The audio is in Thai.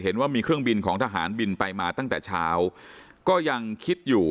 เห็นว่ามีเครื่องบินของทหารบินไปมาตั้งแต่เช้าก็ยังคิดอยู่